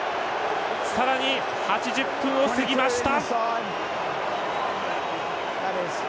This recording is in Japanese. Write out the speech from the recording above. さらに８０分を過ぎました！